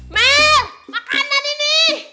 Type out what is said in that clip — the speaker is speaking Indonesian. mel makanan ini